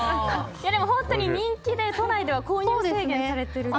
本当に人気で都内では購入制限されていると。